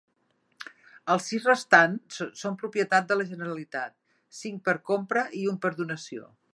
Els sis restants són propietat de la Generalitat, cinc per compra i un per donació.